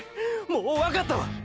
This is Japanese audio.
もうわかったわ！！